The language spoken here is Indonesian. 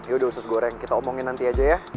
yaudah usus goreng kita omongin nanti aja ya